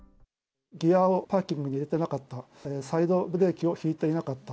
ギアをパーキングに入れてなかった、サイドブレーキを引いていなかった。